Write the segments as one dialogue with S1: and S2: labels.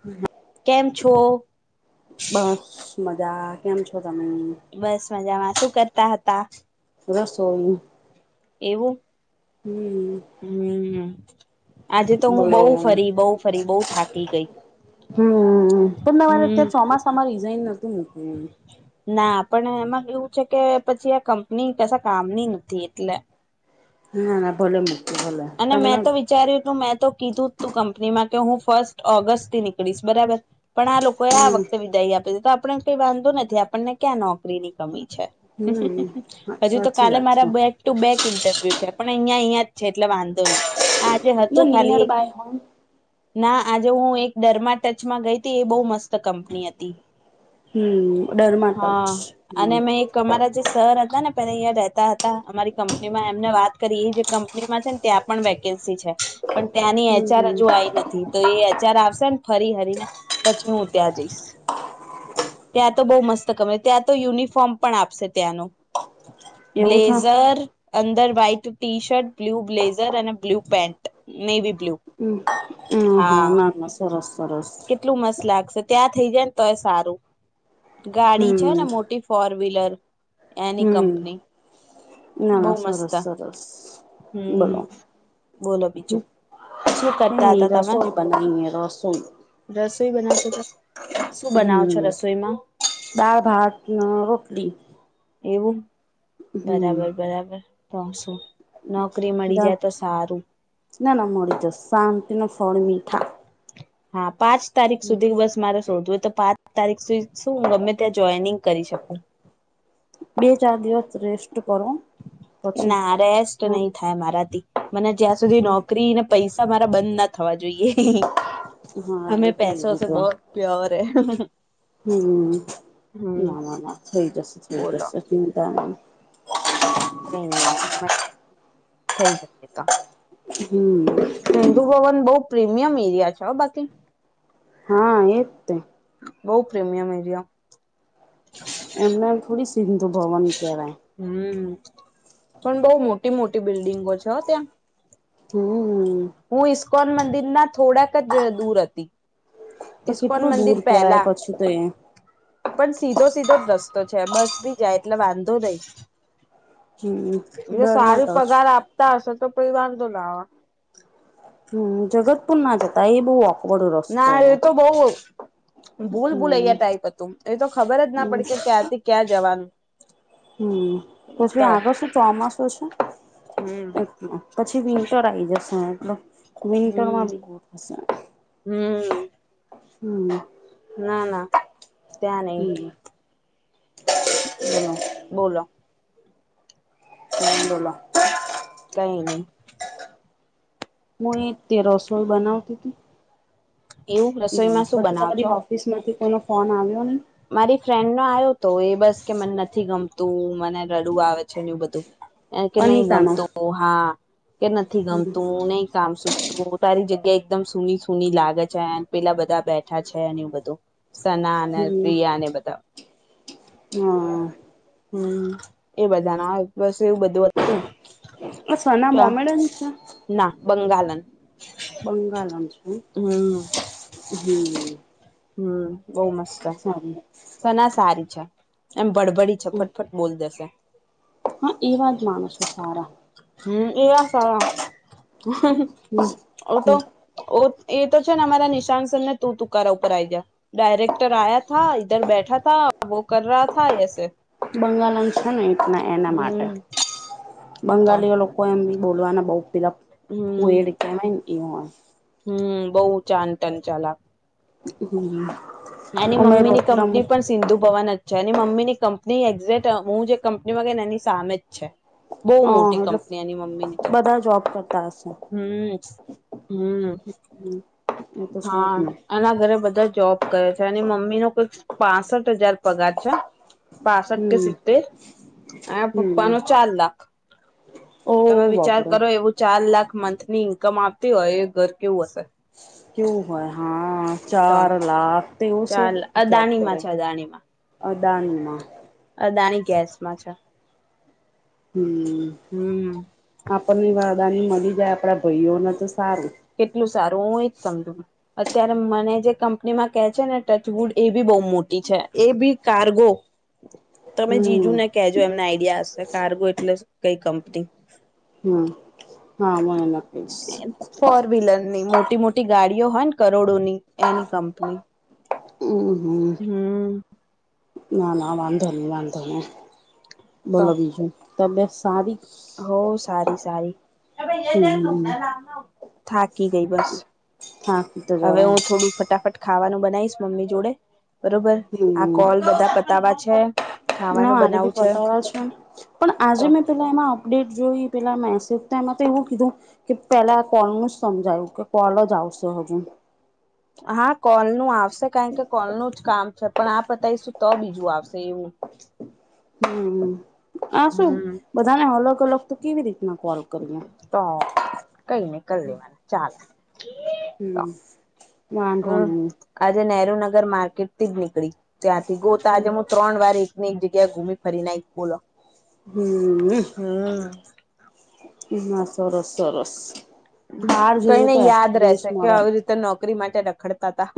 S1: હલ
S2: કેમ છો
S1: બસ મજા. કેમ છો તમે?
S2: બસ મજામાં. શું કરતા હતા?
S1: રસોઈ
S2: એવું
S1: હમ્મ
S2: હમ આજે તો હું બહુ ફરી બહુ ફરી બહુ થાકી ગઈ.
S1: હમ્મ પણ તમારે તે
S2: હમ
S1: ચોમાસામાં રિઝાઈન નતું મૂકવું.
S2: ના પણ એમાં એવું છે કે પછી આ કંપની કશા કામની નથી એટલે
S1: ના ના [inaudible]
S2: અને મેં
S1: તમને
S2: તો વિચાર્યું તું મેં તો કીધું જ તું કંપનીમાં કે હું ફર્સ્ટ ઓગસ્ટથી નીકળીશ બરાબર પણ આ લોકોએ આ વખતે વિદાય આપ તો આપડે કઈ વાંધો નથી આપણને ક્યાં નોકરીની કમી. છે.
S1: હમ હમ
S2: હજુ તો
S1: સાચી
S2: કાલે
S1: વાત છે
S2: મારા બેક ટુ બેક ઇન્ટરવ્યુ છે પણ અહંયા અહિયાં જ છે. એટલે વાંધો નહીં. આજે
S1: એટલે
S2: હતું
S1: નિયર
S2: ખાલી એક
S1: બાય હોમ
S2: ના આજે હું એક ડરમાં ટચમાં ગઈતી એ બહુ મસ્ત કંપની હતી.
S1: હમ ડરમાટચ
S2: હહ અને
S1: હમ
S2: મેં એક અમારા જે સર હત તા ને પેલા ઈયા રેતા હતા અમારી કંપનીમાં એમને વાત કરી એ જે કંપનીમાં છે ને ત્યાં પણ વેકેન્ સી છે. પણ ત્યાંની એચ આર
S1: હમ
S2: હજુ આઈ નથી તો એ એચ આર આવશેને ફરી હરીને પછી હું હું ત્યાં જઈશ. ત્યાં તો બહુ મસ્ત ત્યાં તો યુનિફોર્મ પણ આપશે ત્યાંનો
S1: એવું છે
S2: બ્લેઝર અંદર white T shirt, blue blazer અને બ્લુ પેન્ટ નેવી બ્લુ
S1: હમ હ
S2: હા
S1: ના ના સરસ સરસ
S2: કેટલું મસ્ત લાગશે ત્યાં થઈ જાય ને તો એ સારું ગાડી છે ને
S1: હમ
S2: મોટી ફોરવીલર એની
S1: હમ
S2: કંપની
S1: ના ના
S2: બોવ મસ્ત
S1: સરસ સરસ
S2: હમ
S1: બોલો
S2: બોલો બીજું શું ક
S1: ની રસોઈ બનાવીએ રસોઈ
S2: રસોઈ બનાતા હતા શું બનાવો છો
S1: હમ
S2: રસોઈમાં
S1: દાળ ભાત, રોટલી
S2: એવું
S1: હમ
S2: બરાબર બરાબર તો શું નોકરી મળી જાય તો સારું
S1: ના ના મળી જ શાંતિ નો ફળમી ઠા.
S2: હા પાંચ તારીખ સુધી બસ મારે શોધવુંય તો પાં તારીખ સુધી શું હું ગમે ત્યાં જોઈનિંગ કરી શકું
S1: બે ચાર દિવસ રેસ્ટ કરો પછી
S2: ના રેસ્ટ નય
S1: હા
S2: થાય મારાથી મને જ્યાં સુધી નોકરીને પૈસા મારા બંધ ના થવા જોઈએ
S1: હા
S2: હમે
S1: એ તો એવું
S2: પૈસોસે
S1: જ
S2: બહોત પ્યોર હે
S1: હમ
S2: હમ
S1: ના ના ના થઈ જશે થઈ
S2: બોલો
S1: જશે ચિંતા નય
S2: કાઈ નઈ થઈ જશે તો
S1: હમ
S2: સિંધુ ભવન બોવ પ્રીમિયમ એરિયા છે હ બાકી
S1: હા એતે
S2: બોવ પ્રીમિયમ એરીયો
S1: એમને થોડી સિંધુ ભવન કેવાય
S2: હમ પણ બોવ મોટી મોટી બિલ્ડિંગો છે, હ ત્યાં
S1: હમ.
S2: હું ઈસ્કોન મંદિર ના થોડાક જ દૂર હતી.
S1: તો
S2: ઈસ્કોન
S1: કેટલું
S2: મંદિર
S1: દૂર
S2: પહેલા
S1: કેવાય પછી તો એ
S2: પણ સીધો સીધો જ રસ્તો છે, બસ ભી જાય એટલે વાંધો નય
S1: હમ
S2: જો
S1: ડરમાં
S2: સારું
S1: ટચ
S2: પગાર આપતા હશે તો પહી વાંધો ના આવે
S1: હમ જગતપુર ના જતા એ બોવ ઓ
S2: ના એ તો બોવ ભૂલ
S1: હમ
S2: ભૂલયા ટાઈપ હતું એ તો ખબર જ ના
S1: હમ
S2: પડી કે ક્યાંથી ક્યાં જવાનું
S1: હમ પછી
S2: તો
S1: આગળ શું ચોમાસું છે.
S2: હમ
S1: પછી વિન્ટર આ આવી જશે એટલે
S2: હમ
S1: વિન્ટરમા બી બોવ સારું
S2: હમ ના ના
S1: હમ
S2: ત્યાં નઈ
S1: હમ [inaudible]
S2: બોલો.
S1: તમે બોલો
S2: કઈ નહી
S1: હું એ તે રસોઈ બનાવતી હતી
S2: એવું રસોઈમાં શું
S1: પછી
S2: બનાવો
S1: તમારી
S2: છો
S1: ઓફિસ માંથી કોઈનો ફોન આવ્યોને
S2: મારી ફ્રેન્ડનો આવ્યો તો એ બસ કે મને નથી ગમતું મને રડું આવે છે, ને એ બધું કે નહી
S1: અનિતાનો
S2: ગમતુ હા કે નથી ગમતું નહી કામ સુ તો તારી જગ્યા એકદમ સૂની સૂની લાગે છે, પેલા બધા બેઠા છે, અને એવું બધું સના અને
S1: હમ
S2: પ્રિયા ને બધા
S1: હા
S2: હમ એ બધા ના હોય બસ એવું બધું હતું
S1: આ સના
S2: ક્યાં
S1: મોમેડન છે
S2: ના બંગાલન
S1: બંગાલન છે
S2: હમ
S1: હમ
S2: હમ બઉુ મસ્ત એ
S1: સાર
S2: એમ બડબડી છ ફટફટ બોલ દેશે
S1: હા એવા જ માનું છો સારા
S2: હમ એવા સારા ઓ તો ઓ એ તો છે ને અમારા નિશાાન સરન ને તું તુકારા ઉપર આઈ ગયા ડાયરેક્ટર આયા થ ધર બેઠા થા હન વો કર રહા થા એસે.
S1: બંગાલન છે ને એટ એના માટે
S2: હમ તો
S1: બંગાલીઓ લોકો બોલવાના બઉ પેલા
S2: હમ
S1: ફોઈડ કેવાય ને એ
S2: હમ બઉ ચાન તન ચાલા
S1: હમ
S2: એની મમ્મીની કંપની પણ સિંધુ ભવન છે. એની મમ્મીની કંપની એક્ઝેક્ટ હું જે કંપની મા ગઈ એની સામે જ છે. બઉ
S1: હ
S2: મોટી
S1: એટલે
S2: કંપની એની મમ્મીની તો
S1: બધા જોબ કરતા હશે
S2: હમ હમ
S1: એ તો છે
S2: હા,
S1: જ ને
S2: એના ઘરે બધા જોબ કરે છે. એની મમ્મીનો કઈક પાસઠ હજાર પગાર છે. પાસઠ કે
S1: હમ
S2: સિત્તેર એના
S1: હમ
S2: પપ્પાનો ચાર લાખ.
S1: ઓ
S2: તમે વિચાર
S1: બાપડે
S2: કરો એવું ચાર લાખ મંથની ઇન્કમ આવતી હોય એ ઘર કેવું હશે. [inaudible]
S1: કેવું હોય. હન
S2: તો
S1: ચાર લાખ તેવું શું જોબ કરે? અદાનીમાં
S2: અદાની ગેસમાં છે.
S1: હમ.
S2: હમ
S1: આપડની વાદાની મલી જાય આપડા ભાઈઓને તો સારું
S2: કેટલું સારું. હું એજ સમજુ. અત્યારે મને જે કંપનીમાં કે છે ને ટચવુડ એ બી બઉ મોટી છે. એ બી કાર્ગો. તમે જીજુ
S1: હમ
S2: ને કેજો એમને આઈડિયા હશે. કાર્ગો એટલે કઈ કંપની.
S1: હમ, હા. મને ન કઇશ.
S2: મોટી-મોટી ગાડીઓ હોય ન કરોડોની એની કંપની.
S1: હમ હમ
S2: હમ
S1: ના, ના, વાંધો ની વાંધો ની. બોલો બીજું તબિયત સારી.
S2: હવ સારી સારી.
S1: હમ
S2: [unintelligible] થાકી ગઈ બસ.
S1: થાકી તો
S2: હવે
S1: જવાય
S2: હું થોડું ફટાફટ ખા ખાવાનું બનાઈશ મમ્મી જોડે બરોબર. આ
S1: હમ
S2: કોલ બધા પતાવા છે.
S1: ના
S2: ખાવાનું
S1: મારે
S2: બનાવું
S1: બી પતાવા છે. પણ આજે
S2: તો
S1: મેં પેલા એમાં અપડેટ જોઈ પેલા મેસેજના માં તો એવું કીધું કે પેલા કોલનું જ સમજાયું કે કોલ જ આવ આવશે હજું.
S2: હા, કોલનું આવશે કારણ કે કોલનું જ કામ છે. પણ આ પતાઈશું તો બીજું આવશે એવું.
S1: હમ, આ શું
S2: હમ
S1: બધાને અલગ-અલગ તો કેવી રીતના કોલ કરીએ
S2: તો કઈ ની કર લેવાનું ચાલ.
S1: હમ વાંધો નઈ.
S2: દ્રનગર માર્કેટથી જ નીકળી. ત્યાંથી ગો તા આજે મુ ત્રણ વાર એક ને એક જગ્યાએ ઘુમી ફરી ન આઈ. બોલો
S1: હમ.
S2: હમ
S1: ના સરસ સરસ. બહાર
S2: કઈ
S1: જઈએ તો
S2: નઈ યાદ
S1: એક્સપિરિયન્સ
S2: રહેશે કે
S1: મળે
S2: આવી રીતે નોક કરી માટે રખડતા તા.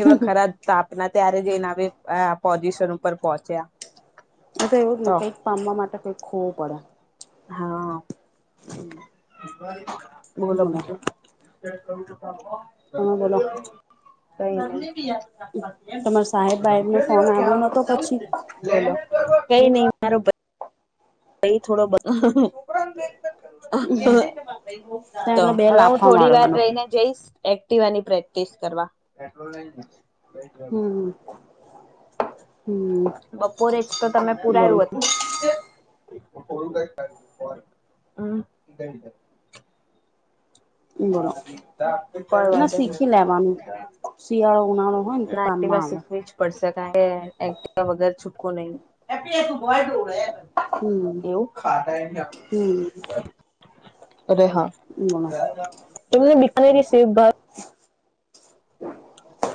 S2: એવા ખરા તાપના ત્યારે જ એ નવી અઅ પોઝિશન ઉપર પહોંચ્યા.
S1: એ તો એવું જ ને, કંઈક પામવા માટે કંઈક ખોવું પડે.
S2: હા.
S1: [unintelligible]
S2: બોલો, બીજું.
S1: તમે બોલો
S2: કંઈ નહીં.
S1: તમારા સાહેબ બાહેબ નો ફોન આવ્યો નતો પછી
S2: બોલો. કંઈ
S1: હમ
S2: નહીં, મારો ભઈ ભાઈ થોડો બ હ, હ,
S1: ત્યાં એનો બે
S2: હવે હું
S1: લાફા
S2: થોડી વાર
S1: મારવાનો
S2: રહીને જઈશ. એક્ટિવાની પ્રેક્ટિસ કરવા પેટ્રોલ લઈ લીધું.
S1: હમ. હમ
S2: બપોરે જ તો તમે
S1: બોલો
S2: પુરાયવુ હતું. [unintelligible]
S1: બોલો ના શીખી લેવાનું
S2: [unintelligible]
S1: શિયાળો ઉનાળો હોય ને તો
S2: ના, એક્ટિવા
S1: કામમાં આવે
S2: શીખવી જ પડશે, કારણ કે વગર છુ નય
S1: હમ
S2: [unintelligible] એવું ખાતા એના.
S1: હમ
S2: અરે હા,
S1: બોલો
S2: તમને બીકાનરી સેવ ભાવે?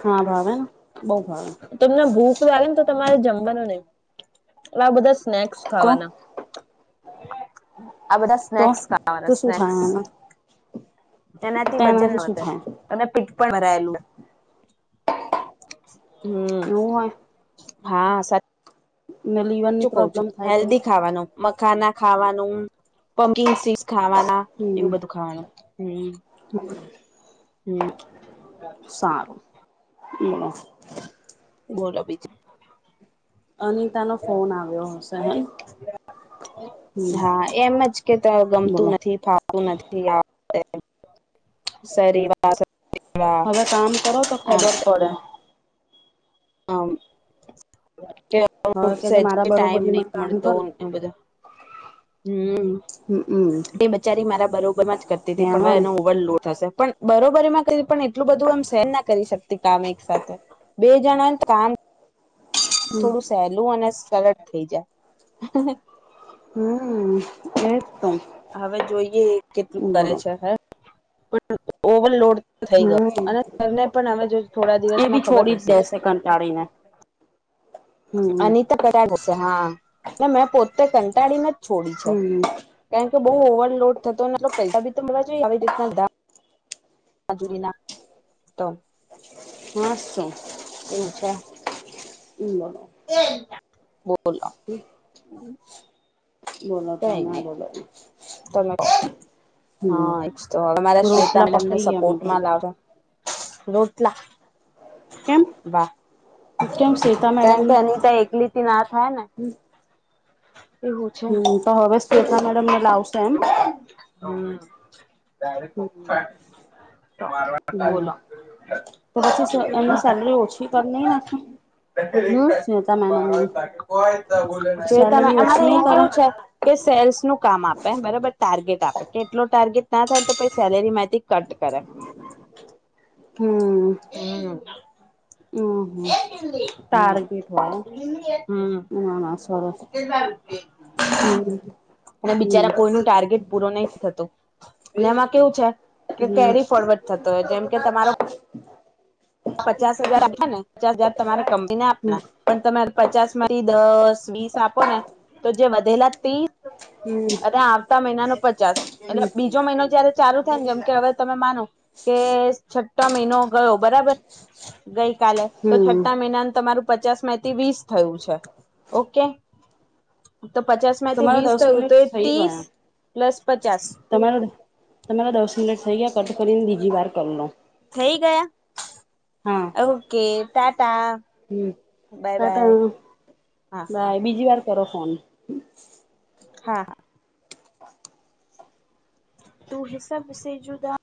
S1: હા, ભાવે ને. બહુ ભાવે
S2: તમને ભૂખ લાગે ને, તો તમારે જમવાનું નય, આ બધા સ નેક્સ
S1: તો
S2: ખાવાના. આ બધા
S1: તો
S2: સ્નેક્સ
S1: તો
S2: ખાવાના
S1: શું થાય
S2: સ્નેક્સ.
S1: એમાં
S2: એનાથી વજન
S1: તેનાથી શું
S2: વધે
S1: થાય
S2: અને પીટ પણ ભરાયેલું, હમ.
S1: એવું હોય
S2: હા, સાચું.
S1: ને
S2: શું
S1: લીવરની
S2: કહુ છુ,
S1: પ્રોબ્લેમ થાય તો
S2: હેલ્દી ખાવાનું મખાના ખાવાનું પમકિંગસિસ ખાવાના,
S1: હમ
S2: એવું બધું ખાવાનું, હમ. હમ
S1: સારું, એ જ.
S2: બોલો બીજું.
S1: અનિતા નો ફોન આવ્યો હશે ને.
S2: હા, એમ જ કે, ત ગમતું
S1: બોલો
S2: નથી, ફાવતું નથી આ. અ સદીવા.
S1: હવે, કામ કરો તો ખબર પડે.
S2: હમ. કે અ
S1: હવે કે જે
S2: સેજ
S1: મારા
S2: ટાઈમ
S1: બરોબરીમાં
S2: નહીં
S1: કામ
S2: મળતો
S1: કર
S2: બધા હમ,
S1: હમમ
S2: તે બચારી મારા બરોબર માં જ કરતી હતી, પણ હવે
S1: કેવાનું
S2: એનો ઓવરલોડ થતો છે, પણ બરોબરી એમાં કરીએ, પણ એટલું બધું એમ સહન ના કરી શકતી. કામ એક સાથે બે જણાય તો હા. થોડું સહેલું અને સરળ થઇ જાય.
S1: હમ એજ તો
S2: હવે, જોઈએ કેટલું કરે
S1: બોલો
S2: છે હે. ઓવરલોડ થઈ ગયો,
S1: હમ
S2: અને તેમને પણ હવે જો થોડા
S1: એ બી
S2: દિવસમાં ખબર
S1: છોડી જ
S2: પડશે
S1: દેશે કંટાડી ને.
S2: અનીત કર્યા હશે. હા, મેં પોતે કંટાળી નથી. છોડી છે.
S1: હમ
S2: કેમ? બઉુ ઓવરલોડ થતો ને, તો પૈસા ભી તો મળવા જોઈએ, આવી રીતના ધામ આ જુડીના ત.
S1: પાસો.
S2: છે.
S1: ઉમા.
S2: [unintelligible] બોલ
S1: [inaudible]
S2: [inaudible]
S1: બોલો
S2: કઈ
S1: તમે
S2: નહી
S1: બોલો.
S2: તમે.
S1: હમ
S2: હા, એક્સ તો હવે મારા શ્વેતા
S1: રોટલા
S2: મેડમને
S1: પકાઈએ અમે તો
S2: સપોર્ટમાં લાવો રોટલા
S1: કેમ
S2: બા
S1: કેમ શ્વેતા
S2: કારણ કે
S1: મેડમને
S2: અનીતા એકલીથી ના થાય ને એવું છે
S1: હમ તો હવે શ્વેતા મેડમને લાવશે એમ
S2: હમ [unintelligible]
S1: હમ
S2: બોલો
S1: તો પછી સ એમની સેલરી ઓછી કરી નઈ નાખે
S2: [inaudible]
S1: સ્નેતા મેડમની સેલરી ઓછી
S2: અમારે
S1: નઈ
S2: અહીં
S1: કરે
S2: કેવું છે, કે સેલ્સ નું કામ આપે બરોબર ટાર્ગેટ આપે કે એટલો ટાર્ગેટ ના થાય તો પહી સેલેરી માંથી કટ કરે
S1: હમ
S2: હમ.
S1: હમ હમ
S2: હમ
S1: ટાર્ગેટ હોય
S2: હમ.
S1: ના ના સરસ હમ
S2: અને
S1: હમ
S2: બિચારા કોઈ નો ટાર્ગેટ પૂરો નહીં થતો નેમાં કેવું છે, કે
S1: હમ
S2: કેરી ફોરવર્ડ થતો હોય જેમ કે તમારો પચાસ હજાર આપ ને પચાસ હજાર તમારે કંપની ના
S1: હમ
S2: આપના પણ તમે પચાસ માંથી દસ બીસ આપો ને તો જે વધેલા ત્રીસ
S1: હમ
S2: અને આવતા મહિનાનો પ પચાસ એટલે
S1: હમ
S2: બીજો મહિનો જયારે ચાલુ થાય ને જેમ કે હવે તમે માનો કે છ છઠા મહિનો ગયો બરાબર ગઈ કાલે તો
S1: હમ
S2: છઠ્ઠા મહિનાન તમારું પચાસ માંથી વીસ થયું છે, ઓકે. તો, પચાસ માંથી
S1: તમારા
S2: વીસ
S1: દસ
S2: થયું, તો
S1: મિનિટ થઈ
S2: ત્રીસ
S1: ગયા
S2: પ્લસ પચાસ.
S1: તમારા તમારા દસ મિનિટ થઈ ગયા કટ કરીને બીજી વાર કર લો
S2: થઈ ગયા
S1: હા
S2: ઓકે ટાટા
S1: હમ
S2: બાય બાય હા
S1: [unintelligible]
S2: હા
S1: બાય બીજી વાર કરો ફોન
S2: હા હા. તુ હે સબશે જુદા